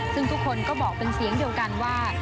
ซึ่งทุกคนก็บอกเป็นเสียงเดียวกันว่า